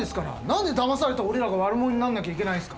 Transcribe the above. なんでだまされた俺らが悪者にならなきゃいけないんですか！？